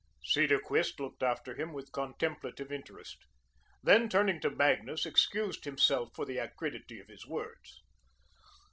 Cedarquist looked after him with contemplative interest. Then, turning to Magnus, excused himself for the acridity of his words.